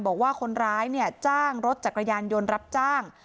บอกว่าคนร้ายเนี่ยจ้างรถจักรยานยนต์รับจ้าง